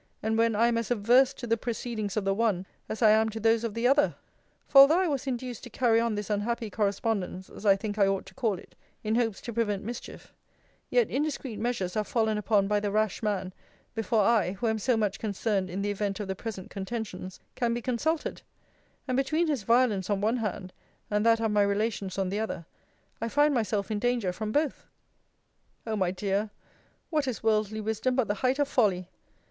and when I am as averse to the proceedings of the one, as I am to those of the other! For although I was induced to carry on this unhappy correspondence, as I think I ought to call it, in hopes to prevent mischief; yet indiscreet measures are fallen upon by the rash man, before I, who am so much concerned in the event of the present contentions, can be consulted: and between his violence on one hand, and that of my relations on the other, I find myself in danger from both. O my dear! what is worldly wisdom but the height of folly!